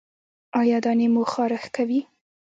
ایا دانې مو خارښ کوي؟